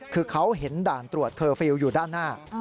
คือเขาเห็นด่านตรวจเคอร์ฟิลล์อยู่ด้านหน้า